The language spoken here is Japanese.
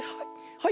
はい。